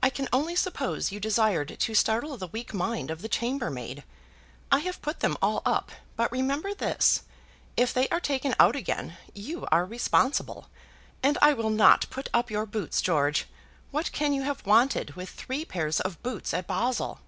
I can only suppose you desired to startle the weak mind of the chambermaid. I have put them all up; but remember this, if they are taken out again you are responsible. And I will not put up your boots, George. What can you have wanted with three pairs of boots at Basle?"